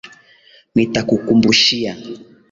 Nitakukumbushia.